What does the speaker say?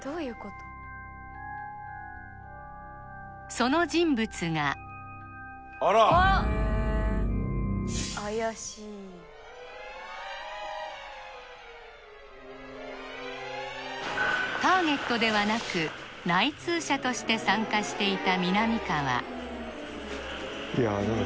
その人物がターゲットではなく内通者として参加していたみなみかわいやなんか